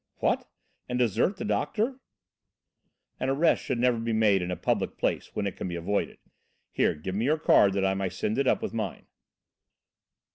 "What? And desert the doctor?" "An arrest should never be made in a public place when it can be avoided. Here, give me your card that I may send it up with mine."